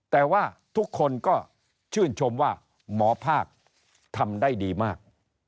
แต่ว่าทุกคนก็ชื่นชมว่าหมอภาคทำได้ดีมาก